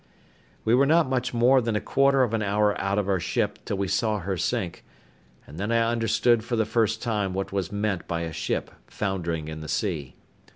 We were not much more than a quarter of an hour out of our ship till we saw her sink, and then I understood for the first time what was meant by a ship foundering in the sea.